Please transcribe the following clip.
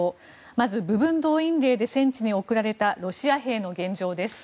まず部分動員令で戦地に送られたロシア兵の現状です。